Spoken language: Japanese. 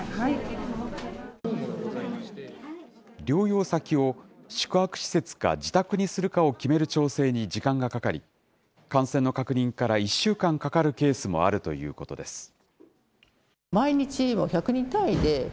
療養先を宿泊施設か自宅にするかを決める調整に時間がかかり、感染の確認から１週間かかるケースもあるということです。